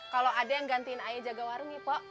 kalo ada yang gantiin ayah jaga warungi pok